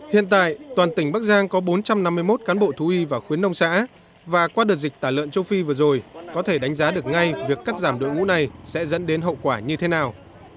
hiện tại toàn tỉnh bắc giang có bốn trăm năm mươi một cán bộ thú y và khuyến nông xã và qua đợt dịch tả lợn châu phi vừa rồi có thể đánh giá được ngay việc cắt giảm đội ngũ này sẽ dẫn đến hậu quả như thế nào